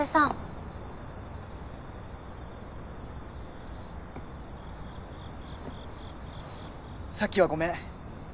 さっきはごめん！